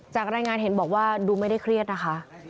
จากรายงานเห็นบอกว่าดูไม่ได้เครียดนะคะ